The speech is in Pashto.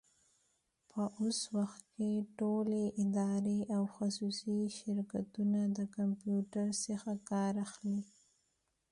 په اوس وخت کي ټولي ادارې او خصوصي شرکتونه د کمپيوټر څخه کار اخلي.